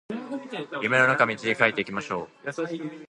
夢の中道描いていきましょう